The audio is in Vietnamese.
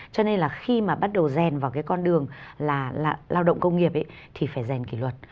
cho nên là khi mà bắt đầu rèn vào cái con đường là lao động công nghiệp thì phải rèn kỷ luật